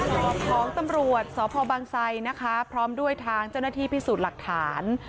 ของตำรวจสพบังไซนะคะพร้อมด้วยทางเจ้าหน้าที่พิสูจน์หลักฐาน